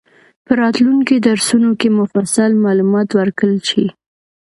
په راتلونکي درسونو کې مفصل معلومات ورکړل شي.